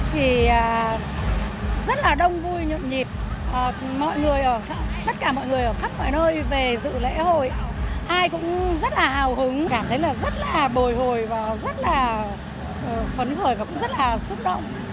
thì rất là đông vui nhộn nhịp mọi người ở tất cả mọi người ở khắp mọi nơi về dự lễ hội ai cũng rất là hào hứng cảm thấy là rất là bồi hồi và rất là phấn khởi và cũng rất là xúc động